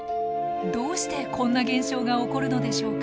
どうしてこんな現象が起こるのでしょうか。